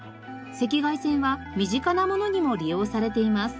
赤外線は身近なものにも利用されています。